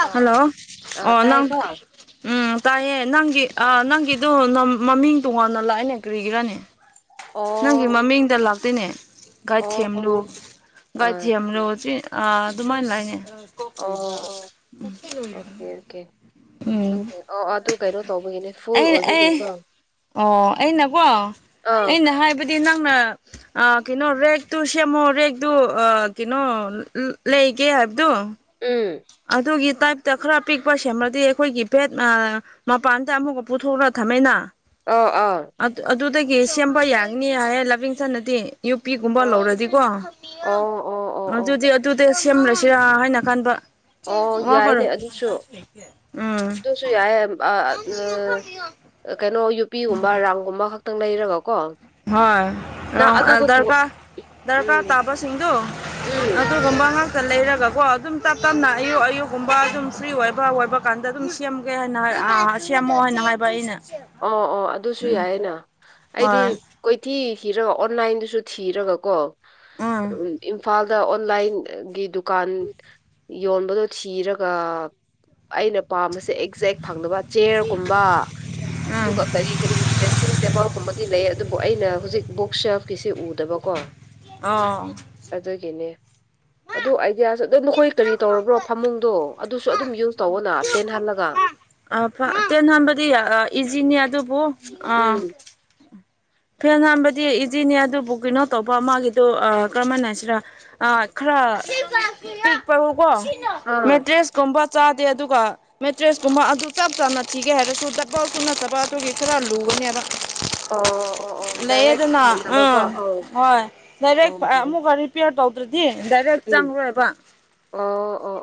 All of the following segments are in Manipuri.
ꯑꯥ ꯑꯥ ꯍꯜꯂꯣ ꯑꯥ ꯑꯣ ꯅꯪ ꯇꯥꯏꯀꯣ ꯑꯥ ꯎꯝ ꯇꯥꯏꯌꯦ ꯅꯪꯒꯤ ꯑ ꯅꯪꯒꯤꯗꯨ ꯃꯃꯤꯡ ꯇꯣꯉꯥꯟꯅ ꯂꯥꯛꯑꯦꯅꯦ ꯀ꯭ꯔꯤꯒꯤ꯭ꯔꯥꯅꯤ ꯅꯪꯒꯤ ꯑꯣ ꯃꯃꯤꯡꯗ ꯂꯥꯛꯇꯣꯏꯅꯦ ꯥꯏ ꯑꯣ ꯊꯦꯝꯂꯨ ꯒꯥꯏ ꯑꯥ ꯊꯦꯝꯂꯨ ꯆꯥ ꯑꯗꯨꯃꯥꯏꯅ ꯂꯩꯅꯦ ꯑꯣ ꯗ ꯑꯣ [unintelligible] ꯑꯣꯀꯦ ꯑꯣꯀꯦ [inaudible] ꯈꯪꯗꯦ ꯑꯣ ꯑꯗꯨ ꯀꯩꯅꯣ ꯇꯧꯕꯒꯤꯅꯦ ꯐꯨꯜ ꯑꯩ ꯑꯩ ꯑꯣꯏꯕꯒꯤꯀꯣ ꯑꯣ ꯑꯩꯅꯀꯣ ꯑꯥ ꯑꯩꯅ ꯍꯥꯏꯕꯗꯤ ꯅꯪꯅ ꯑ ꯀꯩꯅꯣ ꯔꯦꯛꯇꯨ ꯁꯦꯝꯃꯣ ꯔꯦꯛꯇꯨ ꯀꯩꯅꯣ ꯂꯩꯒꯦ ꯍꯥꯏꯕꯗꯨꯣ ꯎꯝ ꯑꯗꯨꯗꯒꯦ ꯇꯥꯏꯞꯇ ꯈꯔ ꯄꯤꯛꯄ ꯁꯦꯝꯃꯗꯤ ꯑꯩꯈꯣꯏꯒꯤ ꯦꯠ ꯃꯄꯥꯟꯗ ꯑꯃꯨꯛꯒ ꯄꯨꯊꯣꯛꯂꯒ ꯊꯝꯃꯩꯅ ꯑꯥ ꯑꯥ ꯑꯗꯨꯗꯒꯤ ꯁꯦꯝꯕ ꯌꯥꯅꯤ ꯍꯥꯏꯌꯦ ꯂꯕꯤꯡꯁꯅꯗꯤ ꯌꯨꯄꯤꯒꯨꯝꯕ ꯑꯣ ꯂꯧꯔꯗꯤꯀꯣ ꯑꯣ ꯑꯣ ꯑꯣ ꯑꯣ ꯑꯗꯨꯗꯤ ꯑꯗꯨꯗꯤ ꯁꯦꯝꯃ꯭ꯔꯁꯤꯔꯥ ꯍꯥꯏꯅ ꯈꯟꯕ ꯑꯣ ꯌꯥꯏꯅꯦ ꯐꯔꯦ ꯑꯗꯨꯁꯨ ꯎꯝ ꯑꯗꯨꯁꯨ ꯌꯥꯏꯌꯦ ꯑꯥ ꯑꯥ ꯀꯩꯅꯣ ꯌꯨꯄꯤꯒꯨꯝꯕ ꯔꯔꯥꯡꯝꯒꯨꯝꯕ ꯈꯛꯇꯪ ꯂꯩꯔꯒ ꯀꯣ ꯍꯣꯏ ꯅꯪ ꯑꯗꯨꯗꯣ ꯊꯨ ꯗꯔꯀꯥꯔ ꯗꯔꯀꯥꯔ ꯎꯝ ꯇꯥꯕꯁꯤꯡꯗꯨꯣ ꯎꯝ ꯑꯗꯨꯒꯨꯝꯕ ꯉꯥꯛꯇ ꯂꯩꯔꯒꯀꯣ ꯑꯗꯨꯝ ꯇꯞ ꯎꯝ ꯇꯞꯅ ꯑꯌꯨꯛ ꯑꯌꯨꯛ ꯒꯨꯝꯕ ꯑꯗꯨꯝ ꯐ꯭ꯔꯤ ꯑꯣꯏꯕ ꯑꯣꯏꯕ ꯀꯥꯟꯗ ꯑꯗꯨꯝ ꯁꯦꯝꯒꯦ ꯍꯥꯏꯅ ꯁꯦꯝꯃꯣ ꯍꯥꯏꯅ ꯍꯥꯏꯕ ꯑꯩꯅ ꯑꯣ ꯑꯣ ꯑꯗꯨꯁꯨ ꯎꯝ ꯌꯥꯏꯌꯦꯅ ꯑꯩꯗꯤ ꯍꯣꯏ ꯀꯣꯏꯊꯤ ꯊꯤꯔꯒ ꯑꯣꯟꯂꯥꯏꯟꯗꯨꯁꯨ ꯊꯤꯔꯒꯀꯣ ꯎꯝ ꯎ ꯏꯝꯐꯥꯜꯗ ꯑꯣꯟꯂꯥꯏꯟꯒꯤ ꯗꯨꯀꯥꯟ ꯌꯣꯟꯕꯗꯣ ꯊꯤꯔꯒ ꯑꯩꯅ ꯄꯥꯝꯕꯁꯦ ꯑꯦꯛꯖꯦꯛ ꯐꯪꯕ ꯆꯤꯌꯔꯒꯨꯝꯕ ꯑꯗꯨꯒ ꯀꯔꯤ ꯀꯔꯤ ꯗ꯭ꯔꯦꯁꯤꯡ ꯇꯦꯕꯜꯒꯨꯝꯕꯗꯤ ꯂꯩ ꯑꯗꯨꯕꯨ ꯑꯩꯅ ꯍꯧꯖꯤꯛ ꯕꯨꯛ ꯁꯦꯞꯀꯤꯁꯤꯦ ꯎꯗꯦ ꯑꯗꯨꯕꯀꯣ ꯎꯝ ꯑꯗꯨꯒꯤꯅꯦ ꯑꯗꯨ ꯑꯥꯏꯗꯤꯌꯥꯁꯨ ꯅꯈꯣꯏ ꯀꯔꯤ ꯇꯧꯔꯕ꯭ꯔꯣ ꯐꯃꯨꯡꯗꯣ ꯑꯗꯨꯁꯨ ꯑꯗꯨꯝ ꯌꯨꯁ ꯇꯧꯋꯣꯅ ꯇꯦꯟꯍꯜꯂꯒ ꯑꯥ ꯇꯦꯟ ꯍꯥꯟꯕꯗꯤ ꯏꯖꯤꯅꯤ ꯑꯗꯨꯕꯨ ꯑꯥ ꯎꯝ [inaudible] ꯐꯦꯟ ꯍꯥꯟꯕꯗꯤ ꯏꯖꯤꯅꯦ ꯑꯗꯨꯕꯨ ꯀꯩꯅꯣ ꯇꯧꯕ ꯃꯥꯒꯤꯗꯨ ꯀꯔꯝꯕꯅ ꯍꯥꯏꯁꯤꯔꯥ ꯈꯔ ꯀꯣ ꯑꯥ ꯃꯦꯇ꯭ꯔꯦꯁ ꯀ [inaudible] ꯆꯥꯗꯦ ꯑꯗꯨꯒ ꯃꯦꯇ꯭ꯔꯦꯁ ꯀꯨꯝꯕ ꯑꯗꯨ ꯆꯞ ꯆꯥꯅ ꯊꯤꯒꯦ ꯍꯥꯏꯔꯁꯨ ꯗꯕꯒꯨꯝ ꯅꯠꯇꯕ ꯑꯗꯨꯒꯤ ꯈꯔ ꯂꯨꯒ ꯑꯗꯨꯗ ꯑꯥ [inaudible] ꯂꯩꯌꯦꯗꯅ ꯎꯝ ꯍꯣꯏ ꯗꯥꯏꯔꯦꯛ ꯎꯝ ꯑꯃꯨꯛꯀ ꯔꯤꯄꯤꯌꯔ ꯇꯧ ꯗꯥꯏꯔꯦꯦꯛ ꯎꯝ ꯆꯪꯂꯦꯕ ꯑꯣ ꯑꯣ [inaudible]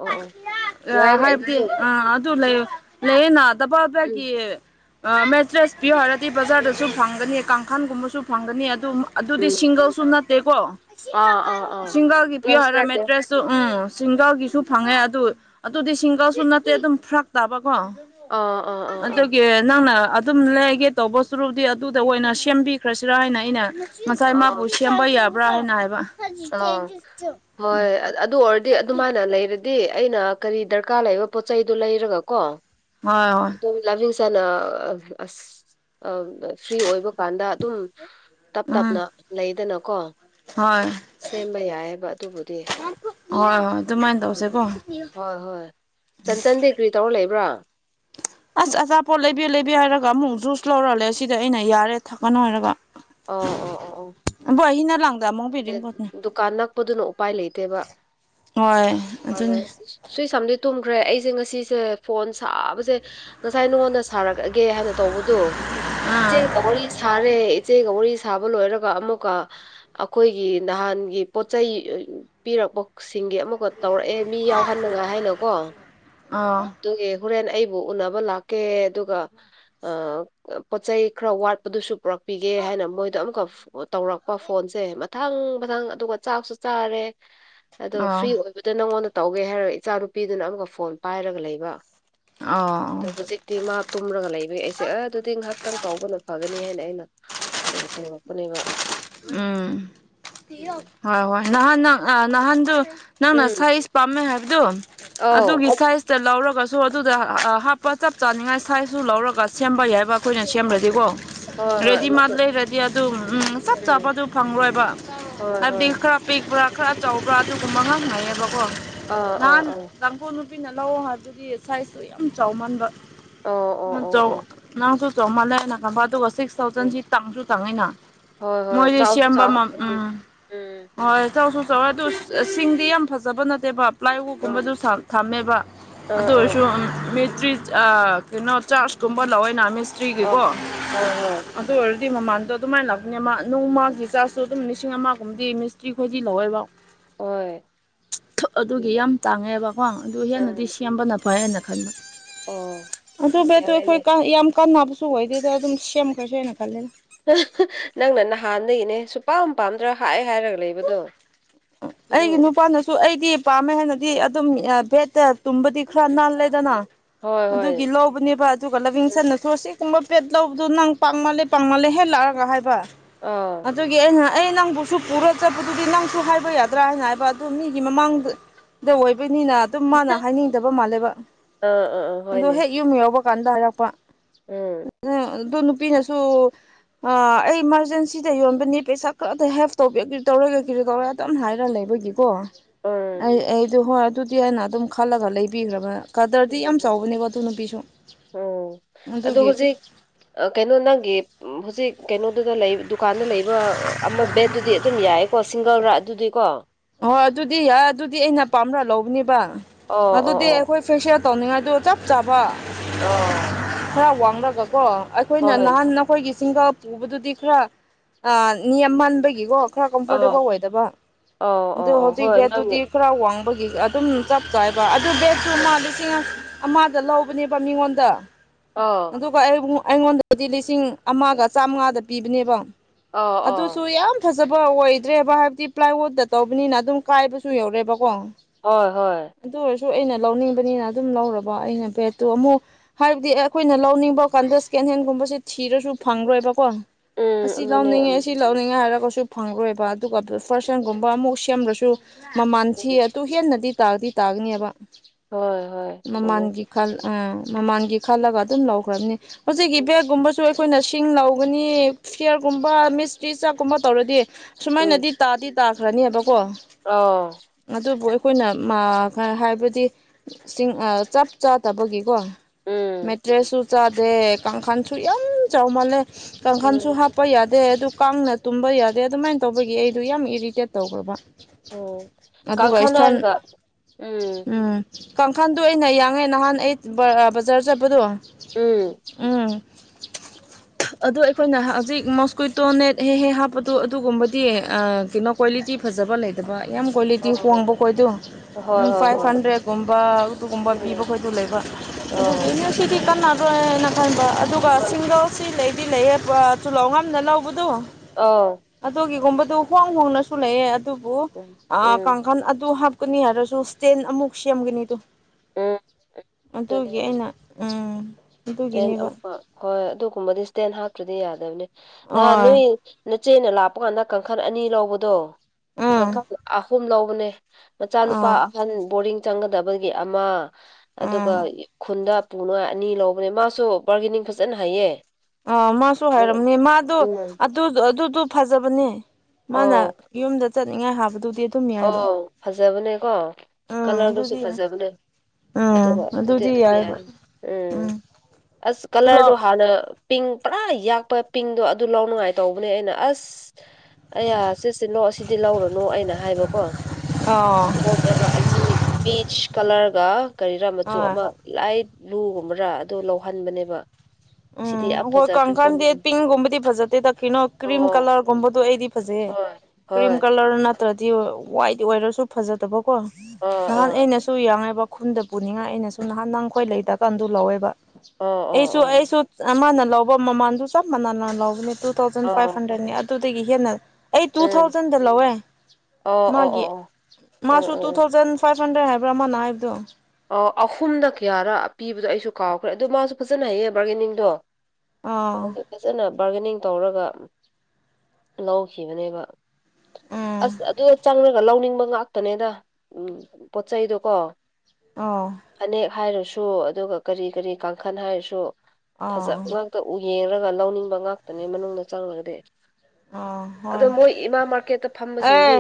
ꯌꯥꯏꯅꯦ ꯍꯥꯏꯕꯗꯤ ꯑꯗꯨꯁꯨ ꯑ ꯑꯗꯨ ꯂꯩ ꯎꯝ ꯂꯩꯌꯦꯅ ꯎꯝ ꯗꯕꯄꯥꯒꯤ ꯃꯦꯠ ꯗ꯭ꯔꯦꯁ ꯄꯤꯌꯨ ꯍꯥꯏꯔꯗꯤ ꯕꯖꯥꯔꯗꯁꯨ ꯐꯪꯒꯅꯤ ꯀꯥꯡꯈꯥꯟꯒꯨꯝꯕꯁꯨ ꯐꯪꯒꯅꯤ ꯑꯗꯨꯝ ꯑꯗꯨꯗꯤ ꯎꯝ ꯁꯤꯡꯒꯜꯁꯨ ꯅꯠꯇꯦꯀꯣ ꯑꯥ ꯑꯥ ꯑꯥ ꯁꯤꯡꯒꯥꯜꯒꯤ ꯄꯤꯌꯨ ꯀ꯭ꯂꯣꯁ ꯍꯥꯏꯔ ꯅꯠꯇꯦ ꯃꯦꯠꯇ꯭ꯔꯁꯨ ꯎꯝ ꯑꯥ ꯁꯤꯡꯒꯜꯒꯤꯁꯨ ꯐꯪꯉꯦ ꯑꯗꯨ ꯑꯗꯨꯗꯤ ꯁꯤꯡꯒꯜꯁꯨ ꯅꯠꯇꯦ ꯑꯗꯨꯝ ꯐꯔꯛ ꯇꯥꯕ ꯀꯣ ꯑꯥ ꯑꯥ ꯑꯥ ꯑꯗꯨꯒꯤ ꯅꯪꯅ ꯑꯗꯨꯝ ꯂꯩꯒꯦ ꯇꯧꯕ ꯁꯨꯔꯨꯕꯨꯗꯤ ꯑꯗꯨꯗ ꯑꯣꯏꯅ ꯁꯦꯝꯕꯤꯈ꯭ꯔꯁꯤꯔꯥ ꯍꯥꯏꯅ ꯑꯩꯅ ꯉꯁꯥꯏ ꯃꯥꯕꯨ ꯑꯥ ꯁꯦꯝꯕ ꯌꯥꯕ꯭ꯔꯥ ꯍꯥꯏꯅ ꯍꯥꯏꯕ ꯑꯥ ꯍꯣꯏ ꯑꯗꯨ ꯑꯣꯏꯔꯗꯤ ꯑꯗꯨꯃꯥꯏꯅ ꯂꯩꯔꯗꯤ ꯗꯤ ꯑꯩꯅ ꯀꯔꯤ ꯗꯔꯀꯥꯔ ꯂꯩꯕ ꯄꯣꯠ ꯆꯩꯗꯨꯣ ꯂꯩꯔꯒ ꯀꯣ ꯍꯣꯏ ꯆꯅ ꯑꯁ ꯐ꯭ꯔꯤ ꯑꯣꯏꯕ ꯀꯥꯟꯗ ꯑꯗꯨꯝ ꯇꯞ ꯎꯝ ꯇꯞꯅ ꯂꯩꯗꯅꯀꯣ ꯍꯣꯏ ꯁꯦꯝꯕ ꯌꯥꯏꯑꯕ ꯑꯗꯨꯕꯨꯗꯤ ꯍꯣꯏ ꯍꯣꯏ ꯑꯗꯨꯃꯥꯏꯅ ꯇꯧꯁꯦꯀꯣ ꯍꯣꯏ ꯍꯣꯏ ꯆꯟꯆꯟ ꯗ ꯀ꯭ꯔꯤ ꯇꯧꯔ ꯂꯩꯕ꯭ꯔꯣ [unintelligible] ꯑꯁ ꯑꯆꯥꯄꯣꯠ ꯂꯩꯕꯦ ꯂꯩꯕꯦ ꯍꯥꯏꯔꯒ ꯑꯃꯨꯛ ꯖꯨꯁ ꯂꯧꯔꯛꯜꯂꯦ ꯁꯤꯗ ꯑꯩꯅ ꯌꯥꯔꯦ ꯊꯛꯀꯅ ꯍꯥꯏꯔꯒ ꯑꯣ ꯑꯣ ꯑꯣ ꯑꯣ ꯑꯕꯣꯛ ꯑꯍꯤꯡꯅ ꯂꯥꯡꯗ ꯑꯃꯨꯛ ꯕꯤꯗꯤꯡ ꯄꯣꯠꯅꯤ ꯗꯨꯀꯥꯟ ꯅꯛꯄꯗꯨꯅ ꯎꯄꯥꯏ ꯂꯩꯇꯦꯕ ꯍꯣꯏ ꯑꯗ ꯑꯗꯨꯅꯤ ꯁꯨꯏ ꯁꯝꯗꯤ ꯇꯨꯝꯈ꯭ꯔꯦ ꯑꯩꯁꯦ ꯉꯁꯤꯁꯦ ꯐꯣꯟ ꯁꯥꯕꯁꯦ ꯉꯁꯥꯏ ꯅꯉꯣꯟꯗ ꯁꯥꯔꯛꯑꯒꯦ ꯍꯥꯏꯅ ꯇꯧꯕꯗꯣ ꯏꯆꯦꯒ ꯑꯥ ꯋꯥꯔꯤ ꯁꯥꯔꯦ ꯏꯆꯦꯒ ꯋꯥꯔꯤ ꯁꯥꯕ ꯂꯣꯏꯔꯒ ꯑꯃꯨꯛꯀ ꯑꯩꯈꯣꯏꯒꯤ ꯅꯍꯥꯟꯒꯤ ꯄꯣꯠ ꯆꯩ ꯄꯤꯔꯛ ꯄꯁꯤꯡꯒꯤ ꯑꯃꯈ ꯇꯧꯔꯛꯑꯦ ꯃꯤ ꯌꯥꯎꯍꯟꯅꯉꯥꯏ ꯍꯥꯏꯅꯀꯣ ꯑꯥ ꯑꯗꯨꯅꯍꯨꯔꯦꯟꯅ ꯑꯩ ꯕꯨ ꯎꯅꯕ ꯂꯥꯛꯀꯦ ꯑꯗꯨꯒ ꯄꯣꯠ ꯆꯩꯩ ꯈꯔ ꯋꯥꯠꯄꯗꯨꯁꯨꯛ ꯄꯤꯒꯦ ꯍꯥꯏꯅ ꯃꯣꯏꯗꯣ ꯑꯃꯨꯛꯀ ꯇꯧꯔꯛꯄ ꯐꯣꯟꯁꯦ ꯃꯊꯪ ꯃꯊꯪ ꯑꯗꯨꯒ ꯆꯥꯛꯁꯨ ꯆꯥꯔꯦ ꯑꯗꯣ ꯑꯥ ꯐ꯭ꯔꯤ ꯑꯣꯏꯕꯗ ꯅꯪꯉꯣꯟꯗ ꯇꯧꯒꯦ ꯍꯥꯏꯔꯒ ꯏꯆꯥꯅꯨꯄꯤꯗꯨꯅ ꯑꯃꯛꯀ ꯐꯣꯟ ꯄꯥꯏꯔꯒ ꯂꯩꯕ ꯑꯗ ꯑꯥ ꯍꯧꯖꯤꯛꯇꯤ ꯃꯥ ꯇꯨꯝꯔꯒ ꯂꯩꯕ ꯑꯩꯁꯦ ꯑ ꯑꯗꯨꯗꯤ ꯉꯥꯏꯍꯥꯛ ꯈꯤꯇꯪ ꯇꯥꯎꯧꯕꯅ ꯐꯒꯅꯤ ꯍꯥꯏꯅ ꯑꯩꯅ ꯇꯣꯡꯉꯛꯄꯅꯦꯕ ꯎꯝ ꯍꯣꯏ ꯍꯣꯏ ꯅꯍꯥꯟ ꯅꯍꯥꯟꯗꯨ ꯅꯪꯅ ꯎꯝ ꯁꯥꯏꯖ ꯄꯥꯝꯃꯦ ꯍꯥꯏꯕꯗꯣ ꯑꯧ ꯑꯗꯨꯒꯤ ꯁꯥꯏꯖꯇ ꯂꯧꯔꯒ ꯁꯣ ꯑꯗꯨꯗ ꯍꯥꯞꯄ ꯆꯞ ꯆꯥꯅꯤꯡꯉꯥꯏ ꯁꯥꯏꯖꯁꯨ ꯂꯧꯔꯒ ꯁꯦꯝꯕ ꯌꯥ ꯍꯥꯏꯕ ꯑꯩꯈꯣꯏꯅ ꯁꯦꯝꯂꯗꯤꯀꯣ ꯍꯣꯏ ꯍꯣꯏ ꯔꯦꯗꯤ ꯃꯥ ꯑꯗꯨꯁꯨ ꯂꯩ ꯔꯦꯗꯤ ꯑꯗꯨ ꯎꯝ ꯆꯥꯕꯗꯨ ꯐꯪꯂꯪꯂꯣꯏꯕ ꯍꯣꯏ ꯍꯥꯏꯕꯗꯤ ꯍꯣꯏ ꯈꯔ ꯄꯤꯛꯄ꯭ꯔꯥ ꯈꯔ ꯆꯥꯎꯕ꯭ꯔꯥ ꯑꯗꯨꯒꯨꯝꯕ ꯉꯥꯡꯅꯩꯌꯦꯕꯀꯣ ꯑꯥ ꯑꯥ ꯅꯍꯥꯟ ꯑꯥ ꯑꯣ ꯇꯥꯡꯒꯣꯜ ꯅꯨꯄꯤꯅ ꯂꯧꯑꯣ ꯍꯥꯏꯕꯗꯨꯗꯤ ꯁꯥꯏꯖꯇ ꯌꯥꯝ ꯆꯥꯎꯃꯟꯕ ꯑꯣ ꯑꯣ ꯆ ꯑꯣ ꯅꯁꯨ ꯆꯧꯃ ꯂꯅꯥꯀ ꯁꯤꯁ ꯊꯥꯎꯖꯟ ꯎꯝ ꯆꯤ ꯆꯉꯥꯏꯅ ꯍꯣꯏ ꯍꯣꯏ ꯃꯣꯏꯗꯤ ꯆꯥꯎꯁꯨ ꯁꯦꯝꯕ ꯆꯥꯎ ꯑꯃ ꯎꯝ ꯎꯝ ꯍꯣꯏꯧ ꯑꯗꯨ ꯁꯤꯡꯗꯤ ꯌꯥꯝ ꯐꯖꯕ ꯅꯠꯇꯦꯕ ꯎꯝ ꯑꯥ ꯄ꯭ꯂꯥꯏꯋꯨꯛꯀꯨꯝꯕꯗꯨ ꯊꯝꯃꯦꯕ ꯑꯗꯨ ꯑꯥ ꯑꯣꯏꯔꯁꯨ ꯃꯦꯇ꯭ꯔꯤ ꯀꯩꯅꯣ ꯆꯥꯔꯖꯀꯨꯝꯕ ꯂꯧꯋꯏ ꯅꯍ ꯑꯥ ꯑ ꯃꯤꯁꯇ꯭ꯔꯤꯒꯤꯀꯣ ꯍꯣꯏ ꯍꯣꯏ ꯑꯗꯨ ꯑꯣꯏꯔ ꯑꯗꯨ ꯃꯃꯥꯟꯗꯣ ꯑꯗꯨꯃꯥꯏꯅ ꯂꯥꯛꯄꯅꯦ ꯃꯥ ꯅꯣꯡ ꯃꯥꯒꯤ ꯆꯥꯔꯖꯁꯨ ꯑꯗꯨꯝ ꯂꯤꯁꯤꯡ ꯑꯃꯒꯨꯝꯕꯗꯤ ꯃꯤꯁꯇ꯭ꯔꯤ ꯈꯣꯏꯗꯤ ꯂꯧꯋꯦꯕ ꯍꯣꯏ ꯑꯗꯨꯒꯤ ꯌꯥꯝ ꯇꯥꯡꯉꯦꯕꯀꯣ ꯑꯗꯨ ꯍꯦꯟꯅꯗꯤ ꯎꯝ ꯁꯦꯝꯕ ꯅꯠꯇꯕ ꯐꯅ ꯈꯟꯕ ꯑꯣ ꯑꯗꯨꯕꯨ ꯌꯥꯔꯦꯅꯦ ꯑꯩꯈꯣꯏ ꯌꯥꯝ ꯀꯥꯟꯕꯨ ꯄꯨꯨꯨꯡꯒꯣꯏꯗꯤꯗ ꯑꯗꯨꯝꯃ ꯁꯦꯝꯃꯃꯦꯥꯏ ꯌꯥ ꯌꯦꯅꯥꯜꯂ ꯍꯥꯟꯅꯗꯒꯤꯅꯦ ꯁꯨ ꯄꯥꯝ ꯄꯥꯝꯗ꯭ꯔꯥ ꯍꯥꯏ ꯍꯥꯏꯔꯒ ꯂꯩꯕꯗꯣ ꯑꯩꯒꯤ ꯅꯪ ꯅꯨꯄꯥꯅꯁꯨ ꯑꯩꯗꯤ ꯄꯥꯝꯃꯦ ꯍꯥꯏꯅꯗꯤ ꯑꯗꯨꯝ ꯕꯦꯗꯠꯇ ꯇꯨꯝꯕꯗꯤ ꯈꯔ ꯅꯥꯜꯂꯦꯗꯅ ꯍꯣꯏ ꯑꯗꯨꯒꯤ ꯍꯣꯏ ꯂꯧꯕꯅꯦꯕ ꯑꯗꯨꯒ ꯎꯝ ꯂꯕꯤꯡꯁꯟꯅꯁꯨ ꯑꯁꯤꯒꯨꯝꯕ ꯄꯦꯠ ꯂꯧꯕꯗꯨꯣ ꯅꯪ ꯄꯥꯡꯃꯜꯂꯦ ꯄꯥꯡꯃꯜꯂꯦ ꯍꯦꯛ ꯂꯥꯛꯑꯒ ꯍꯥꯏꯕ ꯑꯥ ꯑꯗꯨꯒꯤ ꯑꯩꯅ ꯑꯩ ꯅꯪꯕꯨꯁꯨ ꯄꯨꯔ ꯆꯠꯄꯗꯨꯗꯤ ꯅꯪꯁꯨ ꯍꯥꯏꯕ ꯌꯥꯗ꯭ꯔꯥ ꯍꯥꯏꯅ ꯍꯥꯏꯕ ꯑꯗꯨ ꯃꯤꯒꯤ ꯃꯃꯥꯡꯗ ꯑꯣꯏꯕ ꯑꯗꯨꯣꯏꯅꯤꯅ ꯑꯗꯨꯝ ꯃꯥꯅ ꯍꯥꯏꯅꯤꯡꯗꯕ ꯃꯥꯜꯂꯦꯕ ꯑꯥ ꯑꯥ ꯑꯥ ꯑꯣ ꯍꯣꯏꯅꯦ ꯍꯦꯛ ꯌꯨꯝ ꯌꯥꯎꯕ ꯀꯥꯟꯗ ꯍꯥꯏꯔꯛꯄ ꯎꯝ ꯑꯗꯨ ꯅꯨꯄꯤꯅꯁꯨ ꯑ ꯑꯩ ꯏꯃꯥꯔꯖꯦꯟꯁꯤꯗ ꯌꯣꯟꯕꯅꯤ ꯄꯩꯁꯥ ꯀꯔꯗ ꯍꯦꯞ ꯇꯧꯕꯤ ꯇꯧꯔꯦꯒꯦ ꯀꯔꯤ ꯇꯧꯔꯦ ꯑꯗꯨꯝ ꯍꯥꯏꯔꯒ ꯂꯩꯕꯒꯤꯀꯣ ꯎꯝ ꯑꯩ ꯑꯩꯗꯤ ꯍꯣꯏ ꯑꯗꯨꯗꯤ ꯑꯩꯅ ꯑꯗꯨꯝ ꯈꯜꯂꯒ ꯂꯩꯕꯤꯈ꯭ꯔꯕ ꯀꯗꯔꯗꯤ ꯌꯥꯝ ꯆꯥꯎꯕꯅꯦꯀꯣ ꯑꯗꯨ ꯅꯨꯄꯤꯁꯨ ꯎꯝ ꯑꯗꯣ ꯑꯗꯨꯒꯤ ꯍꯧꯖꯤꯛ ꯑ ꯀꯩꯅꯣ ꯑꯣ ꯅꯒꯤ ꯎꯝ ꯍꯧꯖꯤꯛ ꯀꯩꯅꯣꯗꯨꯗ ꯂꯩ ꯗꯨꯀꯥꯟꯗ ꯂꯩꯕ ꯑꯃ ꯕꯦꯗꯠꯇꯨꯗꯤ ꯑꯗꯨꯝ ꯌꯥꯏꯀꯣ ꯁꯤꯡꯒꯜꯔꯥ ꯑꯗꯨꯗꯤꯀꯣ ꯍꯣꯏ ꯑꯗꯨꯗꯤ ꯌꯥꯔꯦ ꯑꯗꯨꯗꯤ ꯑꯩꯅ ꯄꯥꯝꯅ ꯂꯧꯕꯅꯦꯕ ꯑꯣ ꯑꯗꯨꯗꯤ ꯑꯣ ꯑꯩꯈꯣꯏ ꯐꯦꯁꯤꯌꯦꯜ ꯇꯧꯅꯤꯡꯉꯥꯏꯗ ꯆꯞ ꯆꯥꯕ ꯑ [unintelligible] [inaudible] ꯈꯔ ꯋꯥꯡꯡꯂꯒ ꯀꯣ ꯑꯩꯈꯣꯏꯅ ꯅꯍꯥꯟ ꯅꯈꯣꯏꯒꯤ ꯁꯤꯡꯒꯥ ꯄꯨꯕꯗꯨꯗꯤ ꯈꯔ ꯅꯤꯃꯟꯕꯒꯤꯀꯣ ꯈꯔ ꯑꯥ ꯀꯝꯐꯣꯔꯇꯦꯕꯜ ꯑꯣꯏꯗꯕ ꯑꯧ ꯑꯗꯣ ꯑꯧ ꯑꯧ ꯍꯧꯖꯤꯛ ꯍꯣꯏ ꯅꯪꯒꯤ ꯕꯦꯠꯇꯨꯗꯤ ꯈꯔ ꯋꯥꯡꯕꯒꯤ ꯑꯗꯨꯝ ꯆꯞ ꯆꯥꯥꯏꯕ ꯑꯗꯨ ꯕꯦꯒꯁꯨ ꯑꯃ ꯂꯤꯁꯤꯡ ꯑꯃꯗ ꯂꯧꯕꯅꯦꯕ ꯃꯤꯉꯣꯟꯗ ꯑꯥ ꯑꯗꯨꯒ ꯑꯩ ꯑꯩꯉꯣꯟꯗꯗꯤ ꯂꯤꯁꯤꯡ ꯑꯃꯒ ꯆꯥꯝꯃꯉꯥꯗ ꯄꯤꯕꯅꯦꯕ ꯑꯥ ꯑꯗꯨꯁꯨ ꯑꯥ ꯌꯥꯝ ꯐꯖꯩ ꯐꯖꯕ ꯑꯣꯏꯗ꯭ꯔꯦꯕ ꯍꯥꯏꯕꯗꯤ ꯄ꯭ꯂꯥꯏꯋꯣꯠꯇ ꯇꯧꯕꯅꯤꯅ ꯑꯗꯨꯝ ꯀꯥꯏꯕꯁꯨ ꯌꯧꯔꯦꯕꯀꯣ ꯍꯣꯏ ꯍꯣꯏ [unintelligible] [inaudible] ꯁꯨ ꯑꯩꯅ ꯂꯧꯅꯤꯡꯕꯅꯤꯅ ꯑꯗꯨꯝ ꯂꯧꯔꯕ ꯑꯩꯅ ꯕꯦꯗꯠꯇꯨ ꯑꯃꯨꯛ ꯍꯥꯏꯕꯗꯤ ꯑꯩꯈꯣꯏꯅ ꯂꯧꯅꯤꯡꯕ ꯀꯥꯟꯗ ꯀꯟꯍꯦꯟꯒꯨꯝꯕꯁꯦ ꯊꯤꯔꯁꯨ ꯐꯪꯉꯣꯏꯕꯀꯣ ꯎꯝ ꯑꯁꯤ ꯑꯗꯨꯅꯦ ꯂꯧꯅꯤꯡꯉꯦ ꯎꯝ ꯑꯁꯤ ꯂꯧꯅꯤꯡꯉꯦ ꯍꯥꯏꯔꯒꯁꯨ ꯐꯪꯉꯣꯏꯕ ꯑꯗꯨꯒ ꯐꯥꯔꯁ ꯨꯝꯕ ꯑꯃꯨꯛ ꯁꯦꯝꯂꯁꯨ ꯃꯃꯥꯟꯁꯤ ꯎꯝ ꯑꯗꯨ ꯍꯦꯟꯅꯗꯤ ꯇꯥꯗꯤ ꯇꯥꯒꯅꯦꯕ ꯍꯣꯏ ꯍꯣꯏ ꯆꯨꯝꯃꯦ ꯃꯃꯥꯟꯖꯤ ꯈꯂ ꯎꯝ ꯑ ꯃꯃꯥꯟ ꯒꯤ ꯈꯜꯂꯒ ꯑꯗꯨꯝ ꯂꯧꯈ꯭ꯔꯕꯅꯤ ꯍꯧꯖꯤꯛꯀꯤ ꯕꯦꯒꯒꯨꯝꯕꯁꯨ ꯑꯩꯈꯣꯏꯅ ꯁꯤꯡ ꯂꯧꯒꯅꯤ ꯐꯤꯌꯔꯒꯨꯝꯕ ꯃꯤꯁꯇ꯭ꯔꯤ ꯆꯥꯛꯀꯨꯝꯕ ꯇꯧꯔꯗꯤ ꯎꯝ ꯁꯨꯃꯥꯏꯅꯗꯤ ꯇꯥꯗꯤ ꯇꯥꯈ꯭ꯔꯅꯦꯕ ꯀꯣ ꯑꯥ ꯑꯗꯨ ꯑꯗꯨ ꯑꯩꯈꯣꯏꯅ ꯍꯥꯏꯕꯗꯤ ꯆꯤꯡ ꯆꯞ ꯆꯥꯗꯕꯒꯤꯀꯣ ꯎꯝ ꯃꯦꯇ꯭ꯔꯦꯁꯨꯨꯇꯥꯗꯦ ꯀꯥꯡꯈꯥꯟꯁꯨ ꯌꯥꯝ ꯆꯥꯎꯃꯜꯂꯦ ꯀꯥꯡꯈꯜꯁꯨ ꯎꯝ ꯍꯥꯞꯄ ꯌꯥꯗꯦ ꯑꯗꯨ ꯀꯥꯡꯅ ꯇꯨꯝꯕ ꯌꯥꯗꯦ ꯑꯗꯨꯃꯥꯏꯅ ꯇꯧꯕꯒꯤ ꯑꯩꯗ ꯌꯥꯝ ꯏꯔꯤ ꯏꯁꯇꯦꯠ ꯇꯧꯈ꯭ꯔꯕ ꯎꯝ ꯑꯗꯨꯒ ꯀꯥꯡꯈꯟ ꯏꯁꯊꯜ ꯍꯥꯏꯔꯒ ꯎꯝ ꯀꯥꯡꯈꯜꯗꯣ ꯑꯩꯅ ꯌꯥꯡꯉꯦ ꯅꯍꯥꯟ ꯑꯩ ꯕꯖꯥꯔ ꯆꯠꯄꯗꯣ ꯎꯝ [inaudible] ꯎꯝ ꯑꯗꯣ ꯑꯩꯈꯣꯏꯅ ꯍꯧꯖꯤꯛ ꯃꯣꯁꯀ꯭ꯇꯣ ꯅꯦꯠ ꯍꯦꯛ ꯍꯦꯛ ꯍꯥꯞꯄꯗꯣ ꯑꯗꯨꯒꯨꯝꯕꯗꯤ ꯀꯩꯅꯣ ꯀ꯭ꯋꯥꯂꯤꯇꯤ ꯐꯖꯕ ꯂꯩꯗꯕ ꯌꯥꯝ ꯀ꯭ꯋꯥꯂꯤꯇꯤ ꯑꯣ ꯍꯣꯡꯕ ꯀꯣꯏꯗꯣ ꯍꯣꯏ ꯎꯝ ꯍꯣꯏ ꯐꯥꯏꯚ ꯍꯣꯏ ꯍꯟꯗ꯭ꯔꯦꯠꯀꯨꯝꯕ ꯑꯗꯨꯒꯨꯝꯕ ꯎꯝ ꯄꯤꯕꯈꯣꯏ ꯑꯗꯨ ꯂꯩꯕ ꯑꯥ ꯑꯗꯨꯒꯤ ꯁꯤꯗꯤ ꯀꯅꯥ ꯇꯅ ꯈꯟꯕ ꯑꯗꯨꯒ ꯍꯣꯏ ꯆꯁꯤꯡꯗꯣ ꯁꯤ ꯂꯩꯗꯤ ꯂꯩꯌꯦꯦ ꯇꯨꯜꯍꯥꯎ ꯉꯝꯅ ꯂꯧꯕꯗꯣ ꯑꯥ ꯑꯗꯨꯒꯤꯒꯨꯝꯕꯗ ꯍꯣꯡ ꯍꯣꯡꯅꯁꯨ ꯂꯩꯑꯦ ꯑꯗꯨꯕꯨ ꯎꯝ ꯎꯝ ꯀꯥꯡꯈꯜ ꯑꯗꯨ ꯍꯥꯞꯀꯅꯤ ꯍꯥꯏꯔꯁꯨ ꯁꯇꯦꯟ ꯑꯃꯨꯛ ꯁꯦꯝꯒꯅꯤ ꯑꯗꯨ ꯎꯝ ꯑꯗꯨꯒꯤ ꯑꯩꯅ ꯎꯝ ꯦꯟ ꯑꯗꯨꯒꯤꯅꯦꯕ ꯑꯃ ꯍꯣꯏ ꯑꯗꯨꯒꯨꯝꯕꯗꯤ ꯏꯁꯇꯦꯟ ꯍꯥꯞꯇ꯭ꯔꯗꯤ ꯌꯥꯗꯕꯅꯤ ꯅꯍꯥꯟ ꯍꯣꯏ ꯅꯣꯏ ꯏꯆꯦꯅ ꯂꯥꯛꯄ ꯀꯥꯟꯗ ꯀꯥꯡꯈꯜ ꯑꯅꯤ ꯂꯧꯕꯗꯣ ꯎꯝ ꯀꯥꯡꯈꯜ ꯑꯍꯨꯝ ꯂꯧꯕꯅꯦ ꯃꯆꯥꯅꯨꯄꯥ ꯑꯥ ꯑꯍꯟ ꯕꯣꯔꯗꯤꯡ ꯆꯪꯒꯗꯕꯒꯤ ꯑꯃ ꯑꯗꯨꯒ ꯎꯝ ꯈꯨꯟꯗ ꯄꯨꯅ ꯑꯅꯤ ꯂꯧꯕꯅꯦ ꯃꯥꯁꯨ ꯕꯥꯔꯒꯦꯅꯤꯡ ꯐꯖꯅ ꯍꯥꯏꯌꯦ ꯑꯥ ꯃꯥꯁꯨ ꯍꯥꯏꯔꯝꯅꯦ ꯃꯥꯗꯣ ꯑꯗꯨꯗꯣ ꯐꯖꯕꯅꯦ ꯃꯥꯅ ꯌꯨꯝꯗ ꯆꯠꯅꯤꯡꯉꯥꯏ ꯍꯥꯏꯕꯗꯨꯗꯤ ꯑꯗꯨꯝ ꯌꯥꯏꯕ ꯑꯣ ꯐꯖꯕꯅꯦꯀꯣ ꯎꯝ ꯀꯂꯔꯗꯨꯁꯨ ꯑꯗꯨꯗꯤ ꯌꯥꯏ ꯐꯖꯕꯅꯦ ꯎꯝ ꯑꯗꯨꯒ ꯑꯗꯨꯗꯤ ꯑꯗꯨꯝ ꯌꯥꯏꯕ ꯌꯥꯏ ꯎꯝ ꯑꯁ ꯀꯂꯔꯗꯣ ꯁꯤꯂꯣꯡ ꯍꯥꯟꯅ ꯄꯤꯡ ꯄꯨꯔꯥ ꯌꯥꯛꯄ ꯄꯤꯡꯗꯣ ꯑꯗꯨ ꯂꯧꯥꯎꯅꯉꯥꯏ ꯇꯧꯕꯅꯦ ꯑꯩꯅ ꯑꯁ ꯑꯌꯥ ꯁꯤꯠꯁꯤꯠꯂꯣ ꯑꯁꯤꯗꯤ ꯂꯧꯔꯨꯅꯨ ꯑꯩꯅ ꯍꯥꯏꯕꯀꯣ ꯑꯥ ꯂꯧꯗ꯭ꯔꯒ ꯑꯁꯤ ꯄꯤꯆ ꯀꯂꯔꯒ ꯀꯔꯤꯔꯥ ꯃꯆꯨ ꯑꯥ ꯑꯃ ꯂꯥꯏ ꯂꯨꯒꯨꯝꯕꯔꯥ ꯑꯗꯨ ꯂꯧꯍꯟꯕꯅꯦꯕ ꯁꯤꯗꯤ ꯎꯝ ꯌꯥꯝ ꯍꯣꯏ ꯐꯖꯈ꯭ꯔꯦꯀꯣ ꯀꯥꯡꯈꯥꯟꯗꯤ ꯌꯥꯝ ꯄꯤꯡꯒꯨꯝꯕꯗꯤ ꯐꯖꯗꯦ ꯇꯈꯤꯔꯤꯅꯣ ꯀ꯭ꯔꯤꯝ ꯑꯣ ꯀꯂꯔꯒꯨꯝꯕꯗꯣ ꯑꯩꯗꯤ ꯐꯖꯩ ꯍꯣꯏ ꯀ꯭ꯔꯤꯝ ꯍꯣꯏ ꯀꯂꯔ ꯅꯠꯇ꯭ꯔꯗꯤ ꯋꯥꯏꯠ ꯑꯣꯏꯔꯁꯨ ꯐꯖꯗꯕ ꯀꯣ ꯑꯣ ꯅꯍꯥꯟ ꯑꯣ ꯑꯩꯅꯁꯨ ꯌꯥꯡꯉꯦꯕ ꯈꯨꯟꯗ ꯄꯨꯅꯤꯡꯉꯥꯏ ꯑꯩꯅꯁꯨ ꯅꯍꯥꯟ ꯅꯪꯈꯣꯏ ꯂꯩꯗꯀꯥꯟꯗ ꯂꯧꯋꯦꯕ ꯑꯣ ꯑꯩꯁꯨ ꯑꯣ ꯑꯩꯁꯨ ꯑꯃꯅ ꯂꯧꯕ ꯃꯃꯥꯟꯗꯨ ꯆꯞ ꯃꯥꯟꯅꯅ ꯂꯒꯅꯤ ꯇꯨ ꯊꯥꯎꯖꯟ ꯑꯣ ꯐꯥꯏꯚ ꯑꯣ ꯍꯟꯗ꯭ꯔꯦꯠꯅꯦ ꯑꯗꯨꯗꯒꯤ ꯍꯦꯟꯅ ꯑꯩ ꯇꯨ ꯎꯝ ꯊꯥꯎꯖꯟꯗ ꯂꯧꯋꯦ ꯑꯣ ꯑꯣ ꯃꯥꯒꯤ ꯑꯣ ꯑꯣ ꯑꯣ ꯃꯥꯁꯨ ꯇꯨ ꯑꯣ ꯊꯥꯎꯖꯟ ꯐꯥꯏꯚ ꯗ ꯍꯥꯏꯕ꯭ꯔ ꯑꯃ ꯅꯥꯏꯕꯗꯣ ꯑ ꯑꯍꯨꯝꯗ ꯀꯌꯥꯔ ꯄꯤꯕꯗꯣ ꯑꯩꯁꯨ ꯀꯥꯎꯈ꯭ꯔꯦ ꯑꯗꯣ ꯃꯥꯁꯨ ꯐꯖꯅ ꯍꯥꯏꯌꯦ ꯕꯥꯔꯒꯦꯅꯤꯡꯗꯣ ꯑꯥ ꯑꯗꯨ ꯐꯖꯅ ꯕꯥꯔꯒꯦꯅꯤꯡ ꯇꯧꯔꯒ ꯂꯧꯈꯤꯕꯅꯦꯕ ꯎꯝ ꯑꯁ ꯑꯗꯨ ꯆꯥꯡꯂ ꯂꯧꯅꯤꯡꯕ ꯉꯥꯛꯇꯅꯦꯗ ꯎꯝ ꯄꯣꯠ ꯆꯩꯗꯣ ꯀꯣ ꯑꯥ ꯐꯅꯦꯛ ꯍꯥꯏꯔꯁꯨ ꯑꯗꯨꯒ ꯀꯔꯤ ꯀꯔꯤ ꯀꯥꯡꯈꯜ ꯍꯥꯏꯔꯁꯨ ꯑꯥ ꯐꯖꯕ ꯉꯥꯛꯇ ꯎ ꯌꯦꯡꯔꯒ ꯂꯧꯅꯤꯡꯕ ꯉꯥꯛꯇꯅꯦ ꯃꯅꯨꯡꯗ ꯆꯪꯉꯒꯗꯤ ꯑꯣ ꯑꯗ ꯃꯣꯏ ꯏꯃꯥ ꯃꯥꯔꯀꯦꯠꯇ ꯑꯦ ꯐꯝꯕꯁꯤꯡꯗꯤ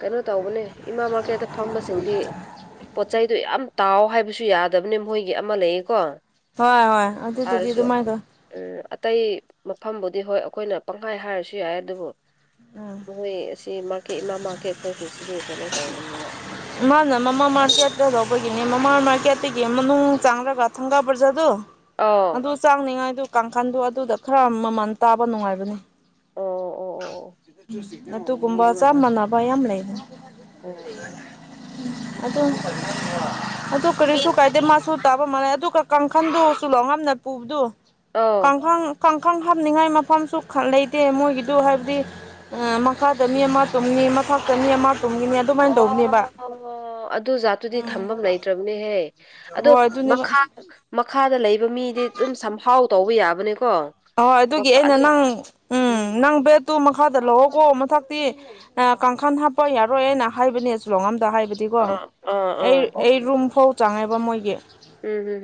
ꯀꯩꯅꯣ ꯇꯧꯕꯅꯦ ꯏꯃꯥ ꯃꯥꯔꯀꯦꯠꯇ ꯐꯪꯝꯕꯁꯤꯡꯗꯤ ꯑꯇꯩꯗꯣ ꯌꯥꯝ ꯇꯥꯎ ꯍꯥꯏꯕꯁꯨ ꯌꯥꯗꯕꯅꯦ ꯃꯣꯏꯒꯤ ꯑꯃ ꯂꯩꯌꯦꯀꯣ ꯍꯣꯏ ꯍꯣꯏ ꯑꯗꯨ ꯇꯗꯤ ꯇꯥꯔꯁꯨ ꯑꯗꯨꯃꯥꯏꯗ ꯎꯝ ꯑꯇꯩ ꯃꯐꯝꯕꯨꯗꯤ ꯍꯣꯏ ꯑꯩꯈꯣꯏꯅ ꯄꯪꯈꯥꯏ ꯍꯥꯏꯔꯁꯨ ꯌꯥꯏ ꯑꯗꯨꯕꯨ ꯎꯝ ꯃꯣꯏ ꯑꯁꯤ ꯃꯥꯔꯀꯦꯠ ꯏꯃꯥ ꯃꯥꯔꯀꯦꯠ ꯐꯒꯤꯁꯤꯗꯤ ꯀꯩꯅꯣ ꯇꯧꯕꯅꯤ ꯃꯥꯅ ꯃꯃꯥ ꯃꯥꯔꯀꯦꯠꯇ ꯂꯧꯕꯒꯤꯅꯤ ꯃꯃꯥ ꯃꯥꯔꯀꯦꯠꯇꯒꯤ ꯃꯅꯨꯡ ꯆꯥꯡꯔꯒ ꯊꯪꯒꯥ ꯕ꯭ꯔꯖꯥꯗꯨꯣ ꯑꯥꯎ ꯑꯗꯨ ꯆꯥꯡꯅꯤꯉꯥꯏꯗꯨ ꯀꯥꯡꯈꯟꯗꯣ ꯑꯗꯨꯗ ꯈꯔ ꯃꯃꯜ ꯇꯥꯕ ꯅꯨꯡꯉꯥꯏꯕꯅꯦ ꯑꯗꯨꯒꯨꯝꯕ ꯆꯞ ꯃꯥꯟꯅꯕ ꯌꯥꯝ ꯂꯩꯅꯦ ꯎꯝ ꯑ ꯇꯨ ꯀꯔꯤ ꯃꯤ ꯁꯨꯀꯥꯏꯗꯦ ꯃꯥꯁ ꯁꯨ ꯇꯥꯕ ꯃꯥꯜꯂꯩ ꯑꯗꯨꯒ ꯀꯥꯡꯈꯜꯗꯨ ꯆꯨꯂꯣꯉꯝꯅ ꯄꯨꯕꯗꯨ ꯑꯧ ꯀꯥꯡꯈꯜ ꯀꯥꯡꯈꯪ ꯍꯥꯞꯅꯤꯡꯉꯥꯏ ꯃꯐꯝꯁꯨ ꯂꯩꯇꯦ ꯃꯣꯏꯒꯤꯗꯨ ꯍꯥꯏꯕꯗꯤ ꯃꯈꯥꯗ ꯃꯤ ꯑꯃ ꯇꯨꯝ ꯃꯥ ꯆꯅꯤ ꯑꯃ ꯇꯨꯡꯒꯤ ꯑꯣ ꯍ ꯍ ꯑꯗꯨ ꯖꯥꯠꯇꯨꯗꯤ ꯎꯝ ꯊꯝꯐꯝ ꯂꯩꯇ꯭ꯔꯕꯅꯦꯍꯦ ꯑꯗꯣ ꯍꯣꯏ ꯑꯗꯨꯅꯦꯕ ꯃꯈꯥ ꯃꯈꯥꯗ ꯂꯩꯕ ꯃꯤꯗꯤ ꯑꯗꯨꯝ ꯁꯝꯍꯥꯎ ꯇꯧꯕ ꯌꯥꯕꯅꯦ ꯍꯣꯏ ꯑꯗꯨꯒꯤ ꯑꯩꯅ ꯅꯪ ꯎꯝ ꯅꯪ ꯕꯦꯠꯇꯨ ꯃꯈꯥꯗ ꯂꯑꯣꯣꯀꯣ ꯃꯊꯛꯇꯤ ꯀꯥꯡꯈꯜ ꯍꯥꯞꯄ ꯌꯥꯔꯣꯏ ꯍꯥꯏꯅ ꯍꯥꯏꯕꯅꯦ ꯆꯨꯂꯣ ꯑꯝꯗ ꯍꯥꯏꯕ ꯍꯥꯏꯗꯤꯀꯣ ꯑꯥ ꯑꯥ ꯑꯩ ꯑꯥ ꯑꯩ ꯔꯨꯝ ꯐꯥꯎ ꯆꯪꯉꯦꯕ ꯃꯣꯏꯒꯤ ꯎꯝ ꯍꯝ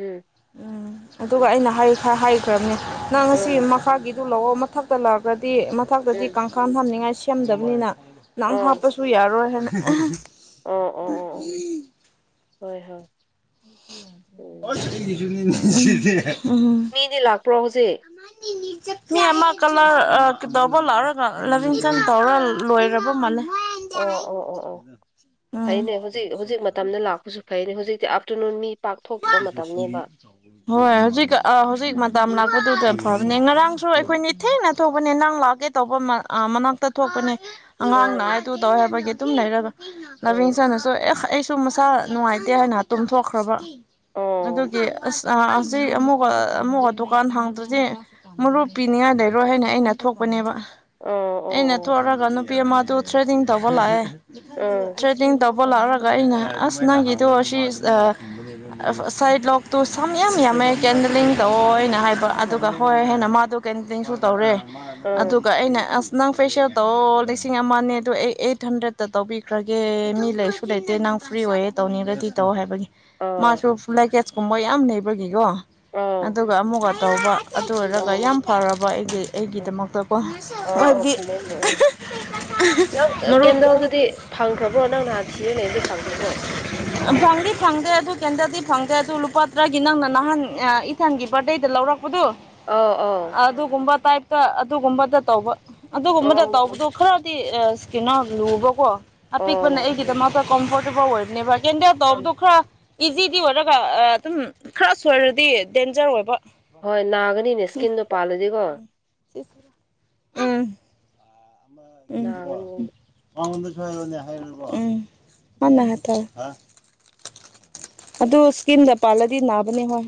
ꯎꯝ ꯑꯗꯨꯒ ꯑꯩꯅ ꯍꯥꯏ ꯍꯥꯏꯈ꯭ꯔꯕꯅꯤ ꯑꯥꯡꯁꯤ ꯍꯝ ꯃꯈꯥꯒꯤꯗꯨ ꯂꯥꯛꯑꯣ ꯃꯊꯛꯇ ꯂꯥꯛꯑꯒꯗꯤ ꯃꯊꯛꯇꯗꯤ ꯎꯝ ꯎꯝ ꯎꯝ ꯀꯥꯡꯪꯈꯥꯝ ꯊꯝꯅꯤꯡꯉꯥꯏ ꯁꯦꯝꯗꯕꯅꯤꯅ ꯅꯪ ꯑꯥ ꯍꯥꯞꯄꯁꯨ ꯌꯥꯔꯣꯏ ꯍꯥꯏꯅ ꯑꯣ ꯑꯣ ꯑꯣ ꯍꯣꯏ ꯍꯣꯏ ꯎꯝ [inaudible] ꯃꯤꯗꯤ ꯂꯥꯛꯄ꯭ꯔꯣ ꯍꯧꯖꯤꯛ ꯃꯤ ꯑꯃ ꯀꯂꯔ ꯇꯧꯕ ꯂꯥꯎꯔꯒ ꯂꯚꯤꯡꯇꯟ ꯇꯧꯔꯒ ꯂꯣꯏꯔꯕ ꯃꯥꯂ ꯑꯣ ꯑꯣ ꯑꯣ ꯑꯣ ꯎꯝ ꯐꯩꯅꯦ ꯍꯧꯖꯤꯛ ꯍꯧꯖꯤꯛ ꯃꯇꯝꯗ ꯂꯥꯛꯄꯁꯨ ꯐ ꯍꯧꯖꯤꯛꯇꯤꯐꯇꯔꯅꯨꯟ ꯃꯤ ꯄꯥꯛ ꯊꯣꯛꯇꯕ ꯃꯇꯝꯅꯦꯕ ꯍꯣꯏ ꯍꯧꯖꯤꯛ ꯍꯧꯖꯤꯛ ꯃꯇꯝ ꯂꯅꯥꯀ ꯐ ꯑ ꯉꯔꯥꯡꯁꯨ ꯎꯝ ꯑꯩꯈꯣꯏꯅꯤ ꯊꯦꯡꯅ ꯊꯣꯛꯄꯅꯦ ꯅꯪ ꯂꯥꯛꯑꯒꯦ ꯇꯧꯕ ꯃꯅꯥꯛꯇ ꯊꯣꯛꯄꯅꯦ ꯑꯉꯥꯡ ꯑꯣ ꯅꯉꯥꯏꯗꯨ ꯇꯧ ꯍꯥꯏꯕꯒꯤ ꯑꯗꯨꯝ ꯂꯩꯔꯒ ꯎꯝ ꯂꯚꯦꯟꯁꯅꯁꯨ ꯑꯦꯁ ꯑꯩ ꯁꯨꯝ ꯃꯁꯥ ꯅꯨꯡꯉꯥꯏꯇꯦ ꯍꯥꯏꯅ ꯇꯨꯝꯊꯣꯛꯈ꯭ꯔꯕ ꯑꯣ ꯑꯗꯨꯒꯤ ꯑꯁ ꯑꯁꯤ ꯑꯃꯨꯒ ꯑꯃꯨꯛꯒ ꯗꯨꯀꯥꯟ ꯍꯥꯡꯗ꯭ꯔꯗꯤꯦ ꯃꯔꯨꯞ ꯄꯤꯅꯤꯡꯉꯥꯏ ꯂꯩꯔꯣꯏ ꯍꯥꯏꯅ ꯑꯩꯅ ꯊꯣꯛꯄꯅꯦꯕ ꯑꯣ ꯑꯦꯩꯅ ꯇꯨ ꯑꯣ ꯑꯣꯔꯗꯔꯒ ꯅꯨꯄꯤꯤꯃ ꯇ ꯊ꯭ꯔꯦꯗꯤꯡ ꯊꯧꯕ ꯂꯥꯛꯑꯦ ꯑꯣ ꯊ꯭ꯔꯦꯗꯤꯡ ꯇꯧꯕ ꯂꯥꯛꯔꯒ ꯑꯩꯅ ꯑꯁ ꯅꯪꯒꯤꯗꯣ ꯑꯁꯤ ꯁꯥꯏꯠ ꯂꯣꯛꯇꯨ ꯁꯝ ꯌꯥꯝ ꯌꯥꯝꯃꯦ ꯀꯦꯟꯗꯂꯤꯡ ꯇꯧꯑꯣꯅ ꯍꯥꯏꯕ ꯑꯗꯨꯒ ꯍꯣꯏ ꯍꯦꯅ ꯃꯥꯗꯨ ꯀꯇꯤꯡꯁꯨ ꯇꯧꯔꯦ ꯑꯥ ꯑꯗꯨꯒ ꯑꯩꯅ ꯑꯁ ꯅꯪ ꯐꯦꯁꯤꯌꯦꯜꯗꯣ ꯂꯤꯁꯤꯡ ꯑꯃꯅꯦ ꯑꯗꯣ ꯑꯩ ꯑꯩꯠ ꯍꯟꯗ꯭ꯔꯦꯗꯠꯇ ꯇꯧꯕꯤꯈ꯭ꯔꯒꯦ ꯃꯤ ꯂꯩꯁꯨ ꯂꯩꯇꯦ ꯅꯪ ꯪ ꯐ꯭ꯔꯤ ꯑꯣꯏꯌꯦ ꯇꯧꯅꯤꯒꯗꯤ ꯇꯧ ꯍꯥꯏꯕꯒꯤ ꯑꯥ ꯃꯥꯁꯨ ꯂꯦꯀꯦꯁꯀꯨꯝꯕ ꯌꯥꯝ ꯅꯕꯒꯤꯀꯣ ꯑꯥ ꯑꯥ ꯑꯗꯨꯒ ꯑꯃꯨꯛꯒ ꯇꯧꯕ ꯑꯗꯨ ꯑꯣꯏꯔꯒ ꯌꯥꯝ ꯑꯥ ꯐꯔꯕ ꯑꯩꯒꯤ ꯑꯩꯒꯤꯗꯃꯛꯇꯀꯣ ꯑꯥ ꯑꯥ ꯍꯥꯏꯗꯤ ꯐꯩꯌꯦꯅꯦ ꯅꯪ ꯀꯦꯟꯗꯜꯗꯨꯗꯤ ꯐꯪꯈ꯭ꯔꯕ꯭ꯔꯣ ꯅꯪ ꯅꯍꯥꯟ ꯊꯤꯔ ꯂꯩꯕꯗꯨ ꯐꯪꯈ꯭ꯔꯕꯣ ꯐꯪꯂꯤ ꯐꯪꯗꯦ ꯑꯗꯨ ꯀꯦꯟꯗꯜꯗꯤ ꯐꯪꯗ꯭ꯔꯦ ꯑꯗꯨ ꯂꯨꯄꯥ ꯇꯔꯥꯒꯤ ꯅꯪꯅ ꯅꯍꯥꯟ ꯏꯁꯊꯟꯒꯤ ꯕꯥꯔꯗꯦꯗ ꯂꯧꯔꯛ ꯑꯗꯨ ꯑꯧ ꯑꯧ ꯑꯗꯨꯒꯨꯝꯕ ꯇꯥꯏꯞꯇ ꯑꯗꯨꯒꯨꯝꯕꯗ ꯇꯧꯕ ꯑꯗꯨꯒꯨꯝꯕꯗ ꯑꯧ ꯇꯧꯕꯗ ꯈꯔꯗꯤ ꯀꯩꯅꯣ ꯂꯨꯕꯀꯣ ꯑꯄꯤꯛꯄꯅ ꯑꯧ ꯑꯩꯒꯤꯗꯃꯛꯇ ꯄꯔꫭꯔꯇꯨꯒꯜ ꯑꯣꯏꯕꯅꯦꯕ ꯀ ꯑꯣ ꯇꯞꯗꯨ ꯈꯔꯥ ꯏꯖꯤꯗꯤ ꯑꯣꯏꯔꯒ ꯑꯗꯨꯝ ꯈꯔ ꯁꯣꯏꯔꯗꯤ ꯗꯦꯟꯖꯔ ꯑꯣꯏꯕ ꯍꯣꯏ ꯅꯥꯒꯅꯤꯅꯦ ꯏꯁꯀꯤꯟꯗꯣ ꯄꯥꯜꯂꯗꯤꯀꯣ ꯎꯝ ꯎꯝ ꯅꯥꯒꯅꯤ ꯎ ꯎꯅ ꯍꯥ ꯑꯗꯨ ꯁꯀꯤꯝꯗ ꯄꯥꯜꯂꯗꯤ ꯅꯥꯕꯅꯦ ꯍꯣꯏ